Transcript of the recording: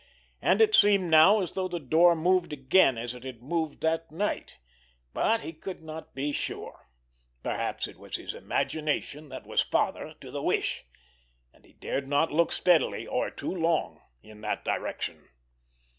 And it seemed now as though the door moved again as it had moved that night. But he could not be sure. Perhaps it was his imagination that was father to the wish—and he dared not look steadily, or too long in that direction.